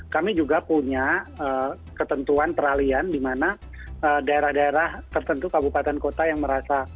kami juga punya ketentuan peralian di mana daerah daerah tertentu kabupaten kota yang merasa